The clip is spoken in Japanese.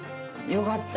よかった。